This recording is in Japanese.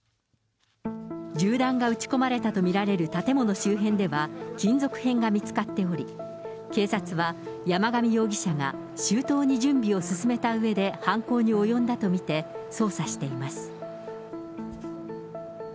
銃弾が撃ち込まれたと見られる建物周辺では、金属片が見つかっており、警察は山上容疑者が周到に準備を進めたうえで犯行に及んだと見て捜査しています。